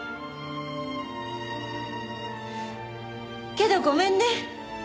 けどごめんね。